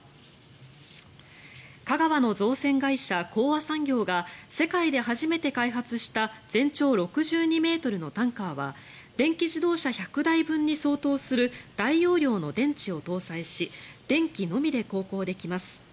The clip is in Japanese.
香川の造船会社、興亜産業が世界で初めて開発した全長６２ｍのタンカーは電気自動車１００台分に相当する大容量の電池を搭載し電気のみで航行できます。